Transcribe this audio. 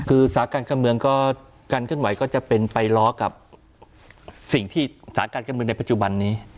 คือสาการการเมืองก็การเคลื่อนไหวก็จะเป็นไปล้อกับสิ่งที่สาการการเมืองในปัจจุบันนี้